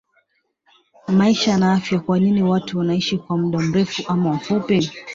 MAISHA NA AFYA Kwanini watu wanaishi kwa muda mrefu ama mfupi?